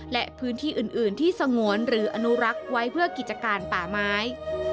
และพื้นที่อื่นที่สงวนหรืออนุรักษ์ไว้เพื่อกิจการป่าไม้